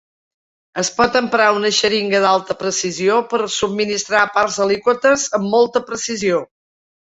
Es pot emprar una xeringa d'alta precisió per subministrar parts alíquotes amb molta precisió.